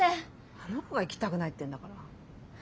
あの子が行きたくないってんだから。